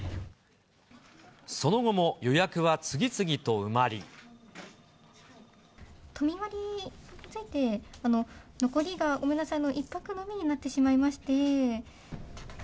その後も、予約は次々と埋ま都民割について、残りがごめんなさい、１泊のみになってしまいまして。